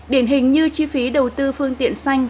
điển hình như chi phí đầu tư phương tiện xanh